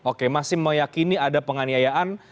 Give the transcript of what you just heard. oke masih meyakini ada penganiayaan